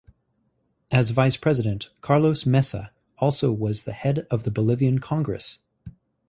As vice president, Carlos Mesa also was the head of the Bolivian congress.